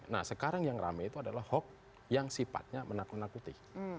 nah sekarang yang rame itu adalah hoax yang sifatnya menakut nakuti